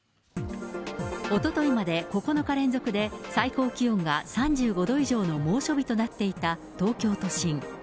おとといまで９日連続で、最高気温が３５度以上の猛暑日となっていた東京都心。